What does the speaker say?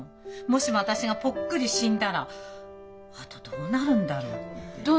もしも私がポックリ死んだらあとどうなるんだろうって。